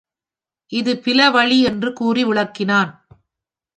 இது பில வழி என்று கூறி விளக்கினான்.